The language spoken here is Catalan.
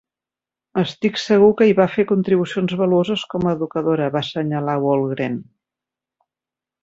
"Estic segur que hi va fer contribucions valuoses com a educadora", va assenyalar Walgren.